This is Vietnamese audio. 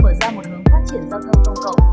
mở ra một hướng phát triển giao thông công cộng